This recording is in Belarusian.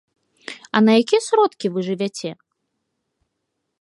А на якія сродкі вы жывяце?